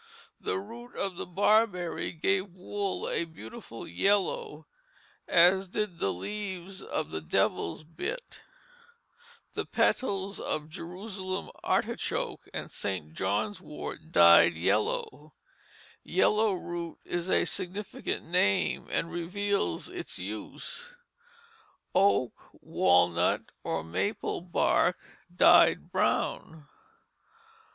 The root of the barberry gave wool a beautiful yellow, as did the leaves of the devil's bit. The petals of Jerusalem artichoke and St. John's wort dyed yellow. Yellow root is a significant name and reveals its use: oak, walnut, or maple bark dyed brown.